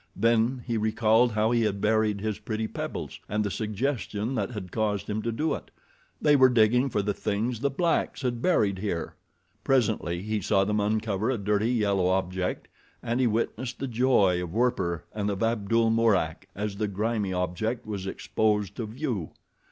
Then he recalled how he had buried his pretty pebbles, and the suggestion that had caused him to do it. They were digging for the things the blacks had buried here! Presently he saw them uncover a dirty, yellow object, and he witnessed the joy of Werper and of Abdul Mourak as the grimy object was exposed to view.